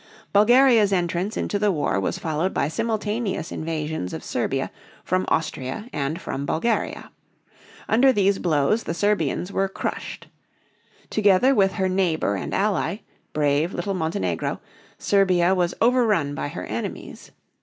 Bulgaria's entrance into the war was followed by simultaneous invasions of Serbia from Austria and from Bulgaria. Under these blows the Serbians were crushed. Together with her neighbor and ally, brave little Montenegro, Serbia was overrun by her enemies.